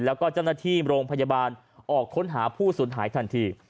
แล้วก็เจ้าหน้าที่โรงพยาบาลออกค้นหาผู้สูญหายทันที